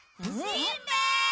・しんべヱ！